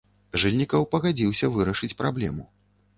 Жыльнікаў пагадзіўся вырашыць праблему.